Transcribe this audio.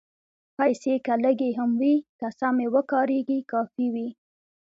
پېسې که لږې هم وي، که سمې وکارېږي، کافي وي.